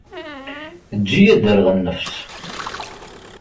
Eǧǧ-iyi ad d-rreɣ nnefs.